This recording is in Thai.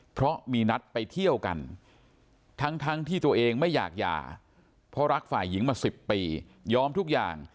เพราะมีนัดไปเที่ยวกันทั้งที่ตัวเองไม่อยากหย่าเพราะรักฝ่ายหญิงมา๑๐ปียอมทุกอย่าง